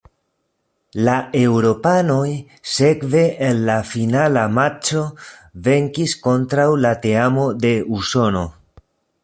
La eŭropanoj sekve en la finala matĉo venkis kontraŭ la teamo de Usono.